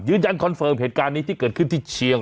ยืดยังคอนเฟิร์มเหตุการณ์ในที่เกิดที่เชียง